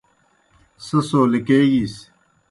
سہ سو لِکیگِس۔